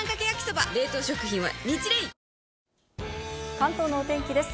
関東のお天気です。